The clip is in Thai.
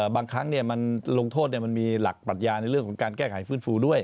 บางครั้งมันลงโทษมันมีหลักปรัชญาในเรื่องของการแก้ไขฟื้นฟูด้วย